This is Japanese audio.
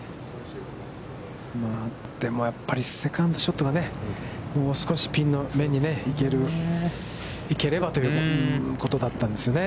でもやっぱりセカンドショットがね、もう少しピンの面に行ければということだったですね。